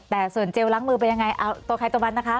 แต่ส่วนเจลล้างมือเป็นยังไงเอาตัวใครตะวันนะคะ